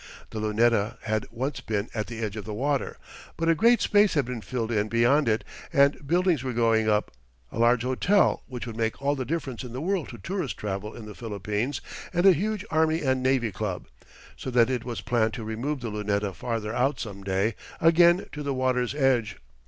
The Luneta had once been at the edge of the water, but a great space had been filled in beyond it, and buildings were going up a large hotel, which would make all the difference in the world to tourist travel in the Philippines, and a huge Army and Navy Club so that it was planned to remove the Luneta farther out some day, again to the water's edge.